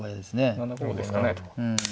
７五ですかね。